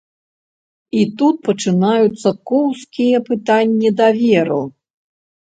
І тут пачынаюцца коўзкія пытанні даверу.